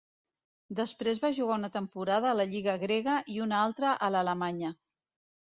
Després va jugar una temporada a la lliga grega i una altra a l'alemanya.